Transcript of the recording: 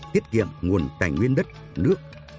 tiết kiệm nguồn tài nguyên đất nước